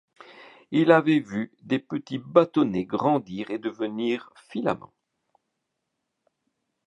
Il avait vu des petits bâtonnets grandir et devenir filaments.